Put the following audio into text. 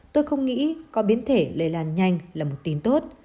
tôi không nghĩ có biến thể lây lan nhanh là một tin tốt